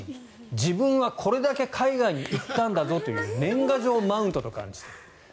自分はこれだけ海外に行ったんだぞという年賀状マウントと感じた。